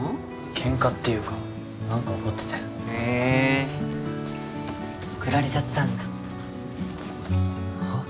ケンカっていうか何か怒っててへえふられちゃったんだはっ？